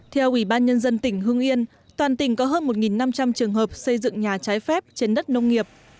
theo ủy ban nhân dân tỉnh hưng yên toàn tỉnh có hơn một năm trăm linh trường hợp xây dựng nhà trái phép trên đất nông nghiệp